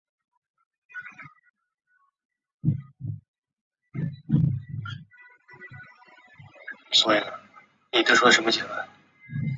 康尼玛拉国家公园的生物中以鸟类的种类最为多样。